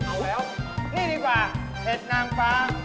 เอาแล้วนี่ดีกว่าเห็ดนางฟ้า